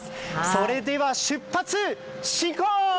それでは、出発進行！